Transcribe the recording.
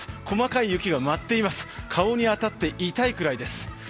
細かい雪が舞っていて顔に当たって痛いくらいです。